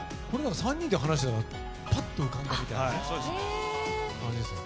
３人で話してたらパッと浮かんできた感じですね。